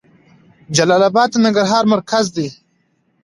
جلال اباد د ننګرهار مرکز ده.